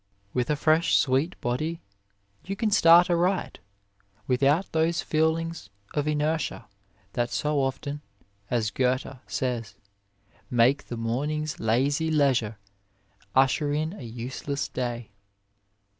With a fresh, sweet body you can start aright without those feelings of inertia that so often, as Goethe says, make the 43 A WAY morning s lazy leisure usher in a useless day.